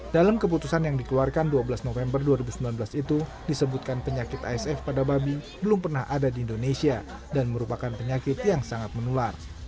dalam keputusan yang dikeluarkan dua belas november dua ribu sembilan belas itu disebutkan penyakit asf pada babi belum pernah ada di indonesia dan merupakan penyakit yang sangat menular